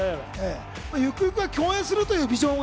ゆくゆくは共演するというビジョンを。